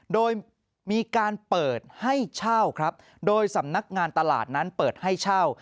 โดยมีการเปิดให้เช่าครับโดยสำนักงานตลาดนั้นเปิดให้เช่า